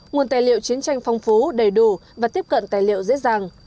nguồn tài liệu chiến tranh phong phú đầy đủ và tiếp cận tài liệu dễ dàng